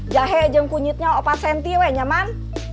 jahe jeng kunyitnya apa senti weh nyaman